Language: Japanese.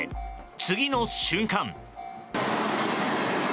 次の瞬間。